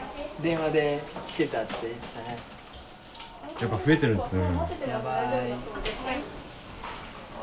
やっぱ増えてるんですね。